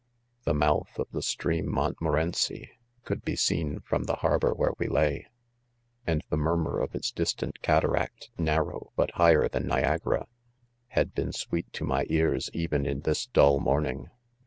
'" The mouth of the 'st^eamMohtmorericyj 'couldlje seen' from the 'Mrb6r"wiiere'we lay, 'arid the ' ifturmiir of its ^distant f cataract, narrow, but higher 'than N£ agara, 1 Kad been sweet to niy, ears even in this fliill •' morning.